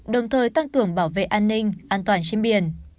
đồng thời tăng cường bảo vệ an ninh an toàn trên biển